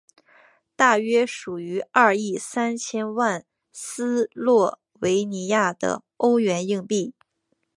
大约属于二亿三千万斯洛维尼亚的欧元硬币。